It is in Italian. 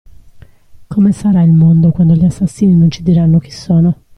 Come sarà il mondo quando gli assassini non ci diranno chi sono?